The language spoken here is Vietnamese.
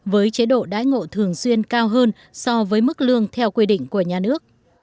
với chế độ đái ngộ thường xuyên cao hơn so với mức lương theo quy định của nhà nước